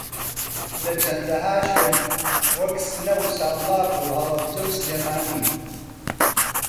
لە چەندەھا شوێن وەک سنە و سابڵاخ و ھەڵەبجە و سلێمانی